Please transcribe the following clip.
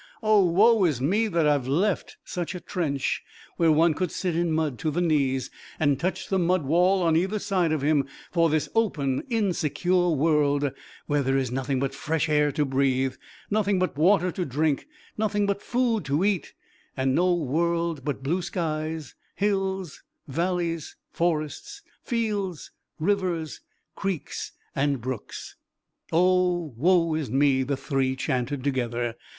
O, woe is me that I've left such a trench, where one could sit in mud to the knees and touch the mud wall on either side of him, for this open, insecure world, where there is nothing but fresh air to breathe, nothing but water to drink, nothing but food to eat, and no world but blue skies, hills, valleys, forests, fields, rivers, creeks and brooks!" "O, woe is me!" the three chanted together.